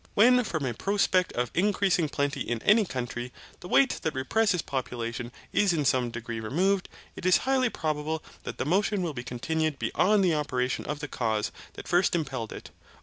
When from a prospect of increasing plenty in any country, the weight that represses population is in some degree removed, it is highly probable that the motion will be continued beyond the operation of the cause that first impelled it.